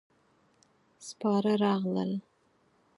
سپاره راغلل.